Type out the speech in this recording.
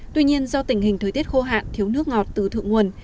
tuy nhiên do tình hình thời tiết khô hạn thiếu nước ngọt từ thượng nguồn